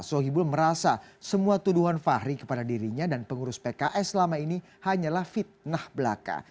sohibul merasa semua tuduhan fahri kepada dirinya dan pengurus pks selama ini hanyalah fitnah belaka